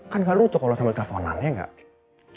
kan nggak lucu kalau sampe telponannya nggak